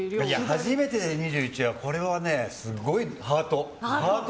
初めてで２１はすごいハート。